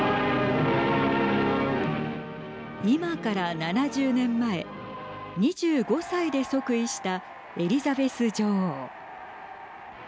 今から７０年前２５歳で即位したエリザベス女王。